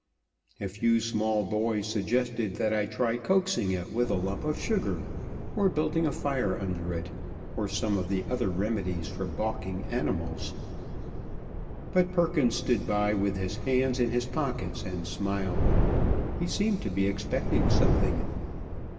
A few small boys suggested that I try coaxing it with a lump of sugar or building a fire under it, or some of the other remedies for balking animals; but Perkins stood by with his hands in his pockets and smiled. He seemed to be expecting something.